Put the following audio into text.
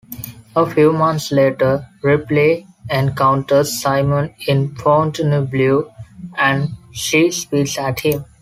A few months later, Ripley encounters Simone in Fontainebleau, and she spits at him.